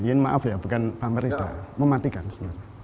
iin maaf ya bukan pamer mematikan sebenarnya